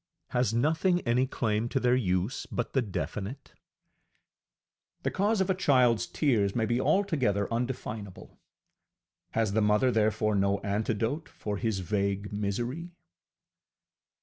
Has nothing any claim to their use but the definite? The cause of a childŌĆÖs tears may be altogether undefinable: has the mother therefore no antidote for his vague misery?